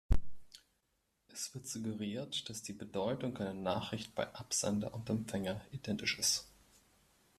Es wird suggeriert, dass die Bedeutung einer Nachricht bei Absender und Empfänger identisch ist.